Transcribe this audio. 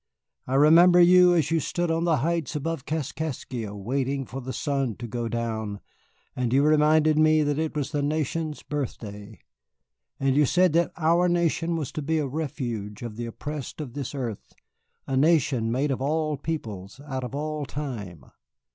I remember you as you stood on the heights above Kaskaskia waiting for the sun to go down, and you reminded me that it was the nation's birthday. And you said that our nation was to be a refuge of the oppressed of this earth, a nation made of all peoples, out of all time.